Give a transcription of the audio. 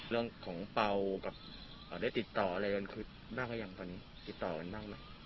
เรื่องของเปล่ากับได้ติดต่ออะไรกันคือบ้างหรือยังตอนนี้ติดต่อกันบ้างไหม